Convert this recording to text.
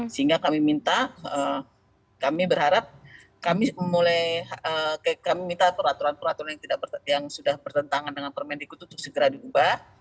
sehingga kami minta kami berharap kami minta peraturan peraturan yang sudah bertentangan dengan permendiku itu segera diubah